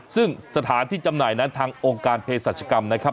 ซึ่งสถานที่จำหน่ายนั้นทางองค์การเพศรัชกรรมนะครับ